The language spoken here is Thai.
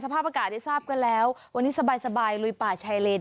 ภาพอากาศได้ทราบกันแล้ววันนี้สบายลุยป่าชายเลน